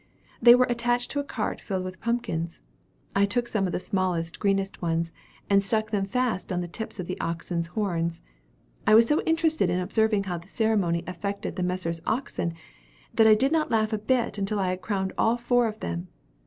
They were attached to a cart filled with pumpkins. I took some of the smallest, greenest ones, and stuck them fast on the tips of the oxen's horns. I was so interested in observing how the ceremony affected the Messrs. Oxen, that I did not laugh a bit until I had crowned all four of them.